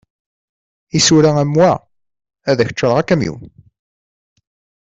Isura am wa, ad ak-d-ččareɣ akamyun.